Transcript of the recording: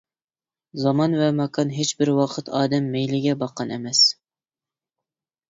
زامان ۋە ماكان ھېچ بىر ۋاقىت ئادەم مەيلىگە باققان ئەمەس.